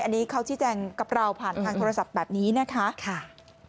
อันนี้เขาชี้แจงกับเราผ่านทางโทรศัพท์แบบนี้นะคะ